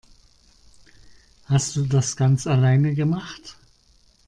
Hast du das ganz alleine gemacht?